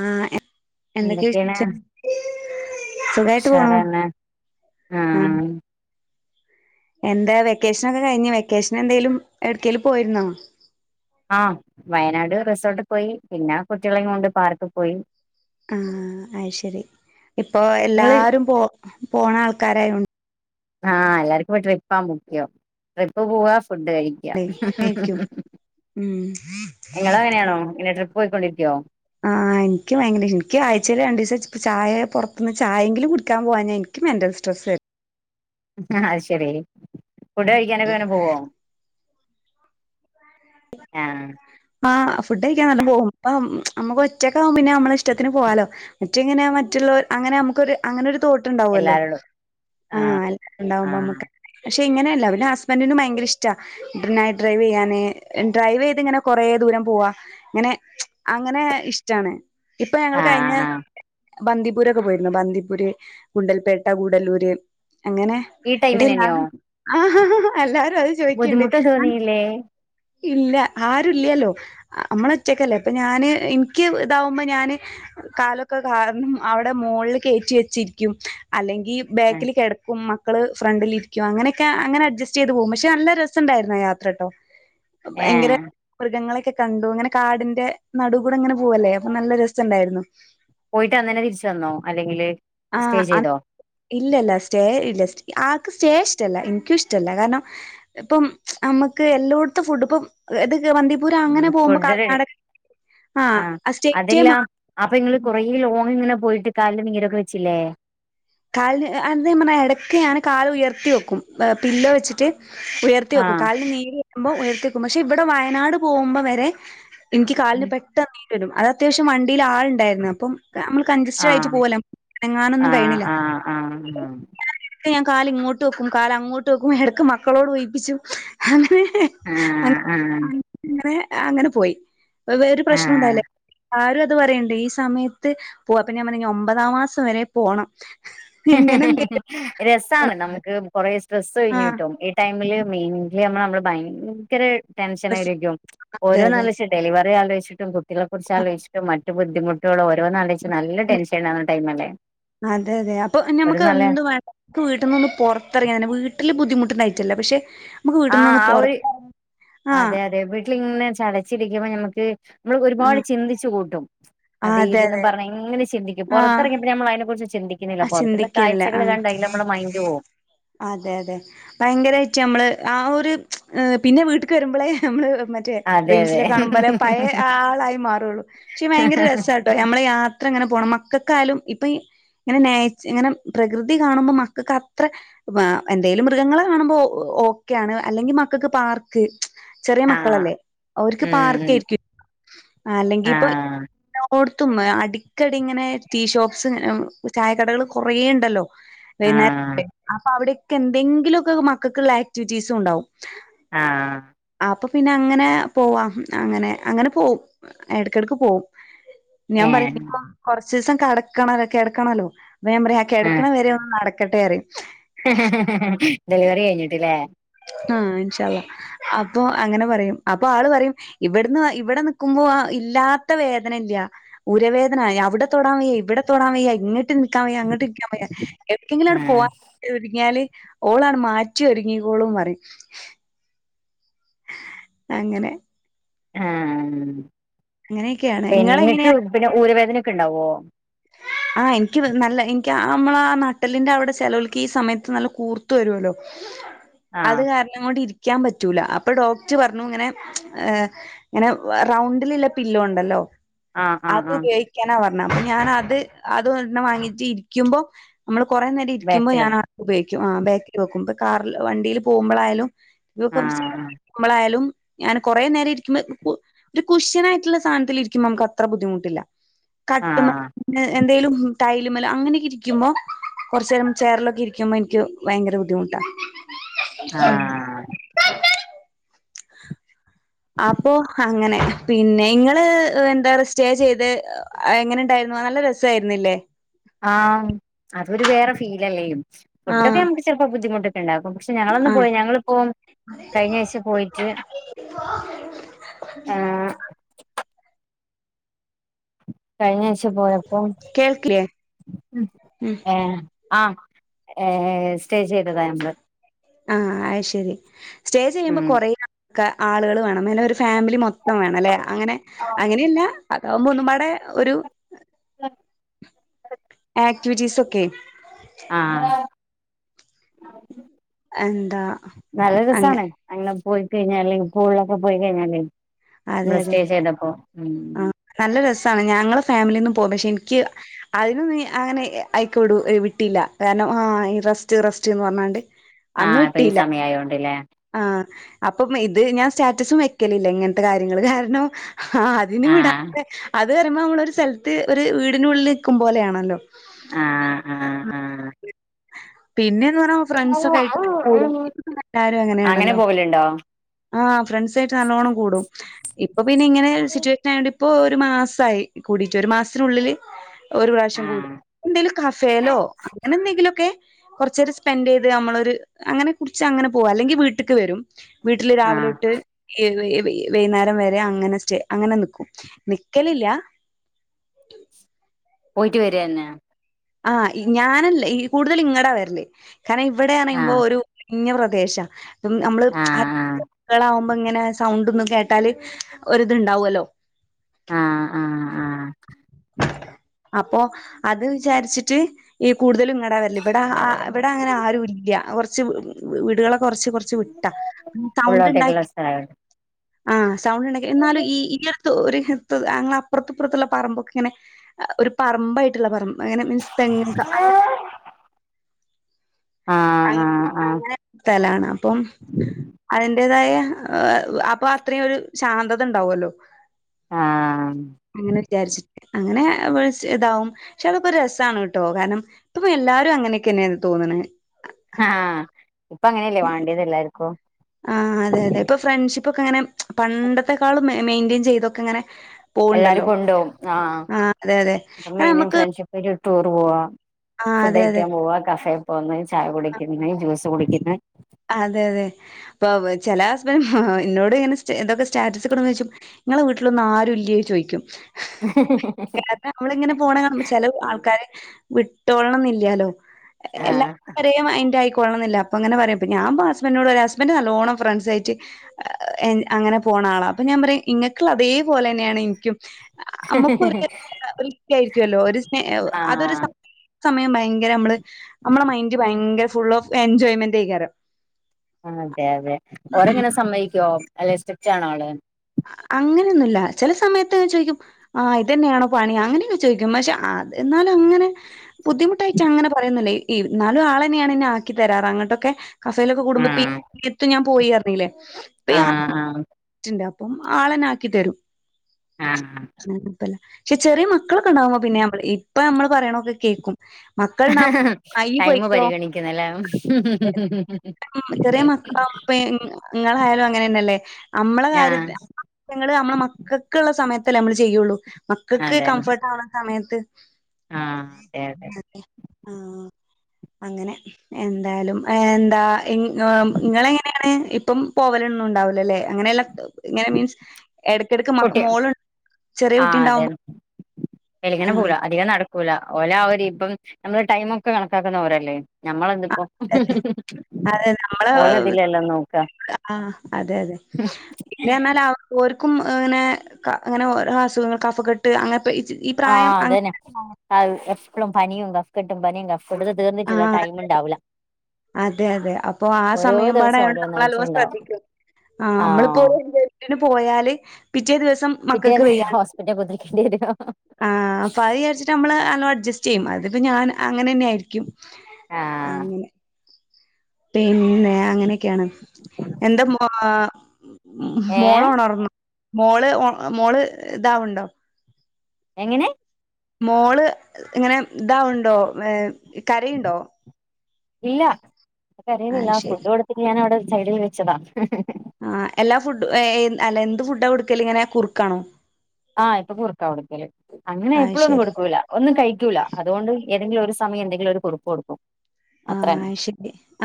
ആഹ് എ എന്തൊക്കെ എന്തൊക്കെയാണ് വിശേഷം സുഖായിട്ട് പോണു ഉഷാറാണ് ആഹ് എന്താ വെക്കേഷനൊക്കെ കഴിഞ്ഞൊ വെക്കേഷൻ എന്തേലും എവിട്ക്കേലും പോയിരുന്നോ ആഹ് വയനാട് റിസോർട്ടിൽ പോയി പിന്നെ കുട്ട്യാളേം കൊണ്ട് പാർക്കി പോയി ആഹ് അഅ് ശരി ഇപ്പൊ നിങ്ങള് എല്ലാരും പോ പോണ ആൾക്കാരായോണ്ട് ആഹ് എല്ലാർക്കുംപ്പറ്റ്വേ പ്പാമ്പും ട്രിപ്പ് പോവാ ഫുഡ് കഴി യ്യാ ആയിരിക്കും ഉം ഇങ്ങളും അങ്ങനെയാണോ ഇങ്ങനെ ട്രിപ്പ് പോയിക്കൊണ്ടിരിക്കോ ആഹ് ഇനിക്ക് ഭയങ്കര ഇനിക്ക് ആഴ്ച്ചയില് രണ്ടീസം ചായ പുറത്ത്ന്ന് ചായങ്കിലും കുടിക്കാൻ പോകാഞ്ഞാൽ എനിക്ക്‌ മെന്റൽ സ്ട്രെസ് വരും ആഹ് അയ് ശരി ഫുഡ് കഴിക്കാനൊക്കെങ്ങനെ പോവാ ആഹ് ആഹ് ഫുഡ് കഴിക്കാനല്ലോം പോവും അപ്പം നമ്മുക്ക് ഒറ്റക്ക്‌ ആവും പിന്നെ നമ്മള ഇഷ്ടത്തിന് പോവാലോ റ്റിങ്ങനെ മറ്റുള്ളോർ അങ്ങനെ അമുക്കൊരു അങ്ങനൊരു തോട്ട്ണ്ടാവൊല്ലോ എല്ലാരോടും ആഹ് ആഹ് എല്ലാരുണ്ടാവുമ്പോമ്മക്ക് പക്ഷെ ഇങ്ങനെല്ല പിന്നെ ഹസ്ബൻറിനും ഭയ്ങ്കര ഇഷ്ടാ നൈറ്റ് ഡ്രൈവെയ്യാന് ഡ്രൈവെയ്ത് ഇങ്ങനെ കൊറേ ദൂരം പോവാ ഇങ്ങനെ അങ്ങനെ ഇഷ് ടാണ് ഇപ്പൊ ഞങ്ങള് കയിഞ്ഞ ആഹ് ആഹ് ബന്ദിപൂരൊക്കെ പോയിരുന്നു ബന്ദിപൂര് ഗുണ്ടൽപേട്ട കൂടലൂര് അങ്ങനെ ഈ ടീ ടൈമിനെന്നെയോ നാണം എല്ലാരും അ ചോയ്ക്കിണിണ്ട് ല്ലെ ഇല്ല ആരുല്ലല്ലോ നമ്മളൊറ്റക്കല്ലേ ഇ പ്പൊ ഞാന് എനിക്ക് ഇതാവുമ്പോ ഞാന് കാലൊക്കെ കാർ അവ്ടെ മോൾല് കേറ്റി വെച്ചിരിക്കും അല്ലെ ഈ ബോക്കില് കെട്ക്കുമ്മ ക്കള് ഫ്രണ്ടിലിരിക്കും അങ്ങെനെക്കെ അങ്ങനെ അഡ്ജസ്റ്റെയ്ത് പോകും പക്ഷെ നല്ല രസുണ്ടായിരുന്നു ആ യാത്ര ട്ടോ ഭയ്ങ്കര ഏഹ് മൃഗങ്ങളൊക്കെ കണ്ടു അങ്ങനെ കാടിന്റെ നടൂ കൂടെ ഇങ്ങനെ പോവല്ലേ അപ്പൊ നല്ല രസണ്ടായിരുന്നു പോയിട്ട് അന്നന്നെ തിരിച്ചു വന്നോ അല്ലെങ്കില് സ്റ്റേ ആഹ് അ ചെയ്തോ ഇല്ലല്ല സ്റ്റേ ഇല്ല ആക്ക് സ്റ്റേ ഇഷ്ടല്ല ഇൻക്കുഷ്ടല്ല കാരണം ഇപ്പം ങമ്മക്ക് എല്ലോട്ത്തും ഫുഡും ഇപ്പം ഇത് ക്ക്‌ വന്ദി പൂര് ഉം അങ്ങനെ പോമ്പോ ഫുഡ് റെഡി കർണാടക ആഹ് സ്റ്റേറ്റെ മാർ അപ്പൊ ഇങ്ങള് കുറേ ലോങ് ഇങ്ങനെ പോയിട്ട് കാൽന് നീരൊക്കെ വെച്ചില്ലേ കാലിന് ഏഹ് അന്ന് ഞാൻ പറഞ്ഞത് എടയ്ക്ക് ഞാന് കാല് ഉയർത്തി വെക്കും പില്ലോ വെച്ചിട്ട് ഉയർത്തി വെക്കും ആഹ് കാലിൽ നീര് വെക്കുമ്പോ ഉയർത്തി വെക്കും പക്ഷെ ഇവിടെ വയനാട് പോവുമ്പൊ വരെ ഇൻക്ക് കാൻന് പെട്ടെന്ന് നീര് വരും അത് അത്യാവശ്യം വണ്ടീല് ആളിണ്ടായിരുന്ന് അപ്പം നമ്മള് കഞ്ജസ്റ്റഡ് ആയിട്ട് ആഹ് പോവല്ലേ അനങ്ങാനൊന്നും ആഹ് കഴിയണില്ല ആഹ് ആഹ് ഞാൻ കാല് ഇങ്ങോട്ട് വെക്കും കാല് അങ്ങോട്ട് വെക്കും ഇടക്ക് മക്കളോട് ഉഴിപ്പിച്ചും അങ്ങനെ ആഹ് ആഹ് അങ്ങനെ അങ്ങനെ പോയി വേറൊരു പ്രശ്നം ആഹ് ഉണ്ടായില്ല ആരും പറയണ്ട് ഈ സമയത്ത് പോവാ അപ്പോ ഞാൻ പറഞ്ഞു ഇനി ഒമ്പതാം മാസം വരെ പോണം ഇങ്ങനെ എന്തെങ്കിലും രസാണ് നമുക്ക് കൊറേ സ്ട്രെസ്സ് കഴിഞ്ഞ് ആഹ് കിട്ടും ഈ ടൈമില് മെയിൻ [unintelligible] നമ്മള് ഭയങ്കര ടെൻഷനായിരിക്കും അതെ ഓരോന്ന്‌ അതെ ആലോചിച്ച് ഡെലിവറി ആലോചിച്ചിട്ടും കു ട്ടികളെ കുറിച്ച് ആലോചിച്ചിട്ടും മറ്റു ബുദ്ധിമുട്ടുകള് ഓരോന്ന് ആലോചിച്ച് നല്ല ടെൻഷൻ ഉണ്ടാവുന്ന ടൈമല്ലേ അതെ അതെ അപ്പൊ ഒരു ഞമ്മക്ക് നല്ല എന്തും വേ എനിക്ക് വീട്ടീന്നൊന്ന് പുറത്തിറങ്ങിയാ മതി വീട്ടില് ബുദ്ധിമുട്ട് ഇണ്ടായിട്ടല്ല പക്ഷെ നമുക്ക് ആഹ് വീട്ടിൽന്നൊന്ന് ആ ഒരു പുറത്ത് ആഹ് അതെ അതെ വീ ട്ടിലിങ്ങനെ ചടച്ചിരിക്കുമ്പോ ഞമ്മക്ക് നമ്മളൊക്കെ ഒരുപാട് ആഹ് ചിന്തിച്ചു കൂട്ടും അത് അതെ ഇതെന്നും പറഞ്ഞ് എങ്ങനെ ചിന്തിക്കും ആഹ് പുറത്തിറങ്ങിയാ പിന്നേ നമ്മൾ അതിനെ കുറിച്ച് ചിന്തി ക്കുന്നില്ല പുറത്തുള്ള ചിന്തിക്കലില്ല കാഴ്ചകൾ ആഹ് കണ്ട്‌ അയ്ല് നമ്മടെ മൈന്റ് പോകും അതെ അതെ ഭയങ്കരമായിട്ട് നമ്മള് ആ ഒരു പിന്നെ വീട്ടിക്ക് വരുമ്പോളേ നമ്മള് മ റ്റേ അതെ അതെ റീൽസിലൊക്കെ കാണുമ്പോലേ പഴേ ആളായി മാറൂള്ളു പക്ഷെ ഭയങ്കര രസവാ നമ്മള് യാത്ര ഇങ്ങനെ പോണം മക്കക്കായാലും ഇപ്പൊ ഈ ഇങ്ങനെ നേച്ച ഇങ്ങനെ പ്രകൃതി കാണുമ്പോൾ മക്കൾക്ക് അത്ര എന്തേലും മൃഗങ്ങളെ കാണുമ്പോൾ ഓക്കെയാണ് അല്ലെങ്കിൽ മക്കൾക്ക് പാർക്ക് ചെറിയ ആഹ് മക്കളല്ലേ അവർക്ക് ഉം ഉം പാർക്കാരിക്കും അല്ലെങ്കി ഇപ്പൊ ആഹ് [unintelligible] അടിക്കടി ഇങ്ങനെ ടീ ഷോപ്സും ചായക്കടകള് കൊറേ ഉണ്ടല്ലോ ആഹ് വൈകുന്നേരത്ത് അപ്പൊ അവിടെയൊക്കെ എന്തെങ്കിലുമൊക്കെ മക്കൾക്കുള്ള ആക്ടിവിറ്റീസും ഉണ്ടാവും ആഹ് അപ്പൊ പിന്നെ അങ്ങനെ പോവാ അങ്ങനെ അങ്ങനെ പോവും എടക്കെടക്ക് പോവും ഞാൻ പറയ ഏഹ് ഇപ്പൊ കൊറച്ച് ദിവസം കടക്കണോല്ലോ കെടക്കണോല്ലോ അപ്പൊ ഞാൻ പറയും ആ ആഹ് കെടക്കണ വരെ ഒന്ന് നടക്കട്ടെ പറയും ഡെലിവറി കഴിഞ്ഞിട്ട് ഇല്ലേ ആഹ് ഇൻഷാ അള്ളാ അപ്പൊ അങ്ങനെ പറയും അപ്പൊ ആള് പറയും ഇവിടുന്ന് ഇവിടെ നിക്കുമ്പോ ഇല്ലാത്ത വേദന ഇല്ല ഉരവേദന അവിടെ തൊടാൻ വയ്യ ഇവിടെ തൊടാൻ വയ്യ ഇങ്ങ ട്ട് നിക്കാൻ വയ്യ അങ്ങോട്ട് നിക്കാൻ വയ്യ എവിടെയെങ്കിലും ആഹ് പോകാനൊരുങ്ങിയാല് ഓളാണ് മാറ്റി ഒരുങ്ങി ക്കോളും പറയും അങ്ങനെ ആഹ് അങ്ങനെയൊക്കെയാണ് പെണ്ണുങ്ങക്ക് ഇങ്ങളെങ്ങനെയാ പിന്നെ ഊര വേദന ഒക്കെ ഉണ്ടാവുവോ ആഹ് എനിക്ക് നല്ല എനിക്ക് ആ നമ്മളാ നട്ടെല്ലിന്റെ അവിടെ ചെലവർക്ക് ഈ സമയത്ത് നല്ല കൂർത്ത് വരൂല്ലോ അത് ആഹ് കാരണം കൊണ്ട് ഇരിക്കാൻ പറ്റൂല അപ്പൊ ഡോക്ടർ പറഞ്ഞു ഇങ്ങനെ ഏ ഇങ്ങനെ റൗണ്ടിലുള്ള പില്ലൊ ഉണ്ടല്ലോ ആഹ് ആഹ് അത് ആഹ് ഉപയോഗിക്കാനാ പറഞ്ഞേ അപ്പൊ ഞാൻ അത് അത് ഒരെണ്ണം വാങ്ങീട്ട് ഇരിക്കുമ്പോ നമ്മള് കുറേ നേരം ഇരിക്കുമ്പോ ബാക്കിലോ ഞാൻ ആ ഉപയോഗിക്കും ആ ബാക്കില് വെക്കും ഇപ്പൊ കാറില് വണ്ടിയില് പോകുമ്പോഴായാലും ഇതിപ്പോ ആഹ് നമ്മളായാലും ഞാൻ കൊറെ നേരം ഇരിക്കുമ്പോ ഒരു കുഷ്യനായിട്ടുള്ള സാധനത്തില് ഇരിക്കുമ്പോ നമുക്ക് അത്ര ബുദ്ധിമുട്ടില്ല കട്ടില് ആഹ് മേലും ടൈലുമേലും അങ്ങനൊക്കെ ഇരിക്കുമ്പോ കുറച്ച് നേരം ചെയറിലൊക്കെ ഇരിക്കുമ്പോ എനിക്ക് ഭയങ്കര ബുദ്ധിമുട്ടാ ഉം ആഹ് അപ്പോ അങ്ങനെ പിന്നെ ഇങ്ങള് എന്താറെ സ്റ്റേ ചെയ്ത് എങ്ങനെണ്ടായിരുന്നു നല്ല രസണ്ടായിരുന്നില്ലേ ആ അതൊരു വേറെ ഫീലല്ലേ ഫുഡൊക്കെ ആഹ് നമുക്ക് ചെലപ്പോ ബുദ്ധിമുട്ട് ട്ട്ണ്ടാക്കും പക്ഷെ ഞങ്ങളന്ന് ആഹ് പോയി ഞങ്ങള് പ്പോ ഏഹ് കഴിഞാഴ്ച്ച പോയപ്പോ കേൾക്കില്ലേ ഉം ഏ ആ ഏ സ്റ്റേ ചെയ്തതാ ഞമ്മള് ആ അത് ശെരി സ്റ്റേചെയ്യുമ്പോ ഉം കൊറേ ആൾക്ക ആളുകള് വേണം ഇന്നാലൊരു ഫാമിലി മൊത്തം വേണല്ലെ അങ്ങനെ അങ്ങനെല്ല അതാകുമ്പോ ഒന്നുംമ്പാടെ ഒരു [inaudible] ആക്ടിവിറ്റീസൊക്കെ ആഹ് എന്താ അങ്ങ് നല്ലരസാണ് അങ്ങനെ പോയി കൈഞാല് സ്കൂളിലൊക്കെ പോയികൈഞ്ഞാല് അതെ നമ്മള് അതെ സ്റ്റേ ചെയ്തപ്പോ ഉം ആഹ് നല്ല രസാണ് ഞങ്ങള് ഫാമിലിന്ന് പോം പക്ഷെ ഇനിക്ക് അത് ഇത് നീ അങ്ങനെ അയ്ക്ക്‌ടു വിട്ടീല്ല കാരണം ആ ഈ റെസ്റ്റ് റെസ്റ്റ് ന്ന് പർഞ്ഞാണ്ട് ആ പ്പീ ഈ സമയായോണ്ട്ലെ ആ അപ്പം ഇത് ഞാൻ സ്റ്റാറ്റസും വെക്കലില്ല ഇങ്ങൻത്തെ കാര്യങ്ങള് കാരണം ആ അതിന് ആഹ് വിടാത്തെ അത് പറയുമ്പോ നമ്മളൊരു സ്ഥലത്ത് ഒരു വീടിനുള്ളിലിക്കുമ്പോലാണല്ലോ ആ ആ ആ പിന്നെന്ന് പറഞ്ഞാ ഫ്രണ്ട്സൊക്കായിട്ട് കൂടും ഇപ്പക്കെ എല്ലാരും അങ്ങനെ അങ്ങനെയാണല്ലോ പോവലുണ്ടോ ആഹ് ഫ്രണ്ട്സായിട്ട് നല്ലോണ്ണം കൂടും ഇപ്പൊ പിന്നെ ഇങ്ങനെ സിറ്റുവേഷനായോണ്ട് ഇപ്പൊ ഒരു മാസായി കൂടിട്ട് ഒരു മാസത്തിനുള്ളില് ഒരു പ്രാവശ്യം കൂടും ആഹ് എന്തേലും കഫേലോ അങ്ങനെന്തെങ്കിലും ക്കെ കൊർച്ചേരം സ്പെൻഡെയ്ത് നമ്മളൊരു അങ്ങനെ കുടിച്ച് അങ്ങനെ പോകും അല്ലെങ്കിൽ വീട്ട്ക്ക് വെരും വീട്ടില് ആഹ് രാവിലൊട്ട് എ വൈ എ വൈ വെയ്ന്നാരം വെരെ അങ്ങനെ സ്റ്റേ അങ്ങനെ നിക്കും നിക്കലില്ല പോയിട്ട് വെരെന്നെ ആ ഞാനല്ല ഈ കൂടുതൽ ഇങ്ങടാ വെരല് കാരണം ഇവടെ ന്ന് ആഹ് പറയുമ്പൊരു ഞ്ഞ പ്രദേശ നമ്മള് ആഹ് ക്കളാകുമ്പോ ഇങ്ങനെ സൗണ്ടൊന്നും കേ ട്ടാല് ഒരിത്ണ്ടാവല്ലോ ആ ആ ആ അപ്പോ അത് വിചാരിച്ചിട്ട് ഈ കൂട്തലും ങ്ങടാ വെരല് ഇവിടെ ഇവടങ്ങനെ ആരുല്ല കൊർച്ച് വീടാളൊക്കെ കൊർച്ച് കൊ ച്ച് വിട്ട സൗണ്ട് ഉള്ളോട്ടേക്കുള്ള ണ്ടാക്കി സ്ഥലമായിട്ട് ആ സൗണ്ട് ണ്ടാക്കി ന്നാലും ഈ ഈയൊരു ത്ത് അപ്പുറപ്പുറത്തുള്ള പറമ്പൊക്കെ ഇങ്ങനെ ഒരു പറമ്പായിട്ടുള്ള പറമ്പ് ങ്ങനെ മീൻസ് തെങ് ക്കെ അങ്ങനെ ആഹ് ആഹ് ആഹ് അങ്ങനെ സ്ഥലാണ് അപ്പം അതിന്റെതായ അപ്പൊ അത്രേയൊരു ശാന്തത ണ്ടാവല്ലോ ആഹ് അങ്ങനെ വിചാരിച്ച് അങ്ങനെ വി ഇതാവും അതൊക്കൊരു രസാണ് ട്ടോ കാരണം പ്പൊപ്പൊക്കെല്ലാരും അങ്ങനെക്കെന്നെ തോന്ന്ണ് ആഹ ഇപ്പൊ അങ്ങനല്ലേ വാണ്ടിതെല്ലാര്ക്കും ആ അതെ അതെ ഇപ്പൊ ഫ്രണ്ട്ഷിപ്പൊക്കെ ങ്ങനെ പണ്ടത്തെക്കാളും മെയിന്റെൻ ചെയ്തൊക്കെങ്ങനെ എല്ലാരും പോവ്ണ്ടല്ലോ കൊണ്ടോവും ആഹ് ആ അതെ അതെ ഇപ്പം ആ മെയിനും ഞമ്മക്ക് ഫ്രണ്ട്ഷിപ്പ് ഒരു ടൂർ പോവാ ഫുഡ് അതെ അതെ കഴിക്കാൻ പോവാ കഫേ ഒന്നെചായ കുടിക്കുന്ന് എല്ലൽജ്യൂസ് കുടിക്കുന്നെ അതെ അതെ അപ്പൊ ചെലെ ഹസബന്റ് എന്നോട് ഇങ്ങനെ ഇതൊക്കെ സ്റ്റാറ്റസ്ടണ ചോദിച്ചു നിങ്ങളെ വീട്ടിലൊന്നും ആരു ല്ലെ ചോയിക്കും നമ്മളിങ്ങനെ പോണെ ചെല ആൾക്കാരെ വിട്ടോള്ളണം ന്നില്ലാലോ ആഹ് എല്ലാരും ഒരേ മെയ്ൻ്റയിക്കോളണെന്നില്ല അപ്പോ ഇങ്ങനെ പറയും ഞാൻ ഹസ്ബന്റി നോട് റയുംഹസ്ബന്റ് നല്ലോണ്ണം ഫ്രണ്ട്സായിട്ട് അങ്ങനെ പോണ ആളാ അപ്പൊ ഞാൻ പറയും നിങ്ങൾക്കിള്ള അതേപോലെന്നെയാണ് എനിക്കും നമുക്കൊരു ഇഷ്ടായിരിക്കല്ലോ ഒരു സ്നേ അതൊരു ആഹ് സമയം ഭയങ്കര നമ്മള് നമ്മെളെ മൈന്റ് ഭയങ്കര ഫുൾ ഓഫ് എൻജോയ്മെന്റൈയ് ക്കാര്യം അതെ അതെ ഓരെങ്ങനെ സമ്മൈക്കോ അല്ലെ സ്റ്റിറ്റാ [unintelligible] ണോ ആള് അങ്ങനൊന്നുല്ല ചെലെ സമയത്ത് ചോയിക്കും ആഹ് ഇതന്നെയാണോ പണി അങ്ങനെയൊക്കെ ചോദിക്കും പക്ഷേ എന്നാലും അങ്ങനെ ബുദ്ധിമുട്ടായിറ്റങ്ങനെ പറയുന്നില്ലാ ഈ നാലും ആളെന്നെയാണ് ഇന്നെ ആക്കി തരാറ് അങ്ങൊട്ടൊക്കെ കഫേലൊക്കെ കൂടുമ്പോ ഇപ്പഈ ആഹ് [unintelligible] ഞാൻ പോയിന്നർനിലേ ഇപ്പയാ ആഹ് ആഹ് [unintelligible] അപ്പം ആളെന്നെ ആക്കി തരും ആഹ് പല്ല ക്ഷെ ചെറിയെ മക്കളൊക്കെണ്ടാവുമ്പോ പിന്നെ നമ്മള് ഇപ്പൊ നമ്മള് പറയ്ണൊക്കെ കേക്കും മക്കൾണ്ടാവുമ്പോ അയ്യ് ടൈമ് പൊയ്ക്കോ പരിഗണിക്കുന്നെല്ലെ ചെറിയെ മക്കളാ [unintelligible] ഇങ്ങളായാലും അങ്ങനെന്നല്ലേ നമ്മളെ ആഹ് കാര്യത്തി [unintelligible] ങ്ങള് നമ്മളെ മക്കൾക്ക്ള്ള സമയത്തല്ലേ നമ്മള് ചെയ്യൊള്ളൂ മക്കക്ക് അതന്നെ കംഫോട്ടാ വണ സമയത്ത് ആഹ് അതെ അതെ ആഹ് അങ്ങനെ എന്തായാലും ഏ എന്താ ഈ ങാം ഇങ്ങള് എങ്ങനെയാണ് ഇപ്പം പോവലൊന്നും ഉണ്ടാവൂലലേ അങ്ങനെയല്ലാം ഇങ്ങനെ മീൻസ് എടക്കെടക്ക് മ കുട്ടി മോള് ചെറിയേ കുട്ടിണ്ടാവുമ്പോ എലങ്ങനെ പോവുല അധികം നടക്കൂല ഓല അവരി ഇപ്പം നമ്മള് ടൈമൊക്കെ കണക്കാക്കുന്നോരല്ലേ നമ്മളെന്ത്പ്പോ ആഹ് അതെ നമ്മള് ഓലതിലല്ലോ നോക്ക ആഹ് അതെ അതെ പിന്നെയന്നാല് ഓർക്കും ഏ ഇങ്ങനെ അങ്ങനെ ഓരോ അസുഖങ്ങൾ കഫകെട്ട് അങ്ങൻതെ ഇച് ഇപ് ആഹ് അതന്നെ അത് എപ്പളും പനിയും കഫ്കെട്ടും പനിയും കഫ് കൊണ്ട്ന്ന് തീർന്ന്ട്ടില്ല ആഹ് ടൈം ഇണ്ടാവൂല്ല അതെ അതെ അപ്പൊ ആഹ് സമയംബാടെ ദിവസം ആയോണ്ട് നമ്മളല്ലോ ഓരോന്നായിട്ടുണ്ടാവും ശ്രദ്ധിക്കും ആഹ് നമ്മളിപ്പോ ധിന് പോയാല് പിറ്റേ ദിവസം മക്കക്ക് പിറ്റേന്ന് വയ്യാണ്ട് ഹോസ്പിറ്റെ കുത്തിരിക്കേണ്ടി വരു ആഹ് അപ്പൊ അത് വിചാരിച്ചിട്ട് നമ്മള് നല്ലോ അഡ്ജസ്റ്റ് ചെയ്യും അതിപ്പോ ഞാൻ അങ്ങനെന്നെ ആയിരിക്കും ആഹ് അങ്ങനെ പിന്നെ അങ്ങനെയൊക്കെയാണ് എന്താ മോ മോള് ഏഹ് ഒണർന്നൊ മോള് ഒൺമോള് ഇദ്ദാവുണ്ടോ എങ്ങനെ മോള് ഇങ്ങനെ ഇദ്ദാവുണ്ടോ ഏ കരയുണ്ടോ ഇല്ല ആഹ് പ്പകരയുന്നില്ല ശരി ഫുഡ്ഡ് കൊടുത്തിട്ട് ഞാനവ്ടെ സൈഡിൽ വെച്ചതാ ആഹ് എല്ലാ ഫുഡ് ഏയ് ഏയ് അല്ല എന്ത് ഫുഡ്ഡാ കൊടുക്കല് ഇങ്ങനെ കുറുക്കാണോ ആഹ് ഇപ്പ കുറുക്കാ കൊടുക്കല് അങ്ങനെ ആഹ് എപ്പളൊന്നും ശരി കൊടുക്കൂല ഒന്നും കഴിക്കൂല്ല അതോണ്ട് ഏതെങ്കിലും ഒരുസമയം എന്തെങ്കിലും ഒരു കുറ്ക്ക് കൊടുക്കും ആഹ് അത്രന്നെ അത്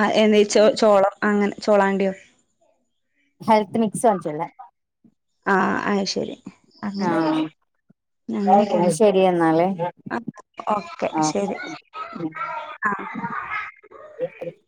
ആഹ് എൻ ചോ ചോളൊ അങ്ങനെ ചോളാണ്ടിയോ ഹെൽത്ത് മിക്സ് വാങ്ങിചിരിന്നെ ആഹ് അത്ശെരി അങ്ങനെ ആഹ് അങ്ങനെയൊക്കേണ് ശരി എന്നാല് ആ ഓക്കെ ശരി ആഹ് [unintelligible]